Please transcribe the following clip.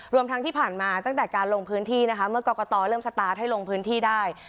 รวมทั้งที่ผ่านมาตั้งแต่การลงพื้นที่นะคะเมื่อกรกตเริ่มสตาร์ทให้ลงพื้นที่ได้